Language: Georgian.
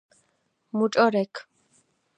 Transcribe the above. მუჭო რექ